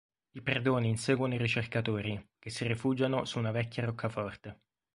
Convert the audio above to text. I predoni inseguono i ricercatori, che si rifugiano su una vecchia roccaforte.